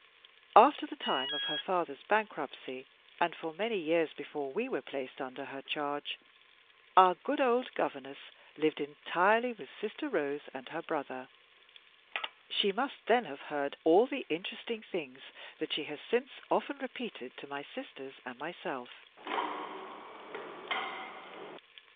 After the time of her father's bankruptcy, and for many years before we were placed under her charge, our good old governess lived entirely with 'Sister Rose' and her brother. She must then have heard all the interesting things that she has since often repeated to my sisters and myself."